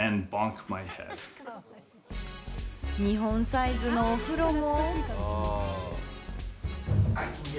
日本サイズのお風呂も。